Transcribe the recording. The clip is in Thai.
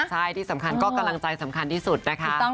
ใช่ที่สำคัญก็กำลังใจสำคัญที่สุดนะคะ